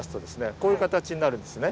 こういう形になるんですね。